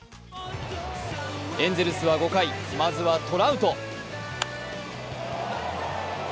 エンゼルスは５回、まずはトラウト。